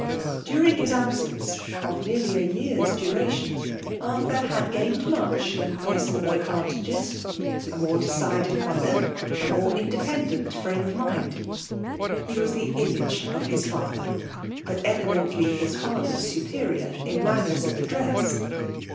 During his absence, of nearly a year's dura tiopv Arthur had gained much in personal advantages ; a more decided manner, a more m3 2S0 FBMALB lX»aif ATION. independent frame of mind* He was the iBiage of his father ; but eminently his father's supe rior in manners and address.